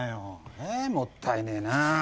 もったいねえなあ